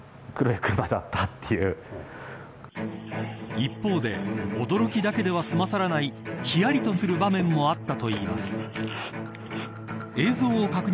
一方で驚きだけでは済まされないひやりとする場面も美しさも